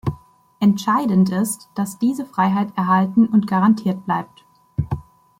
Entscheidend ist, dass diese Freiheit erhalten und garantiert bleibt.